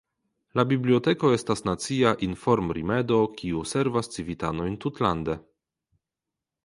La biblioteko estas nacia informrimedo kiu servas civitanojn tutlande.